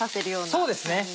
そうですね。